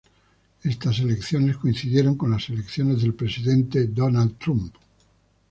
Estas elecciones coincidieron con la elección del presidente Donald Trump.